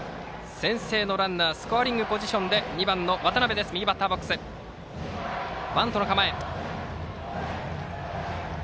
先制のランナースコアリングポジションで２番の渡邊右バッターボックスでバントの構え。